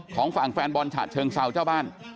ของฝั่งแฟนบอลฉะเชิงเซาเจ้าบ้าน